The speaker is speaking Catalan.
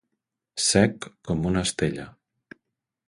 Sec com una estella.